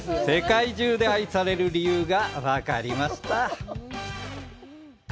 世界中で愛される理由が分かりました。